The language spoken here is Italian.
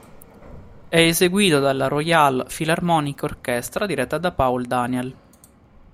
È eseguito dalla Royal Philharmonic Orchestra, diretta da Paul Daniel.